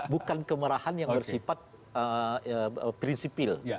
bukan kemarahan yang bersifat prinsipil